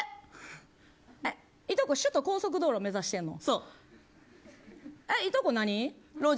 いとこ、首都高速道路目指してんの。